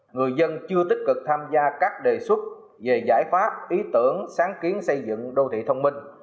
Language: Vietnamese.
người dân chưa tích cực tham gia các đề xuất về giải pháp ý tưởng sáng kiến xây dựng đô thị thông minh